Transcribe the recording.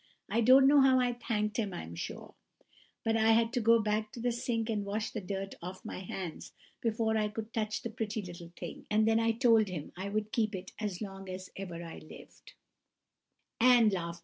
I don't know how I thanked him, I'm sure; but I had to go back to the sink and wash the dirt off my hands before I could touch the pretty little thing, and then I told him I would keep it as long as ever I lived.